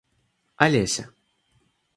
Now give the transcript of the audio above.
Олеся